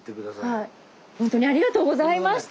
ほんとにありがとうございました。